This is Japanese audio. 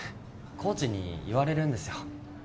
コーチに言われるんですよ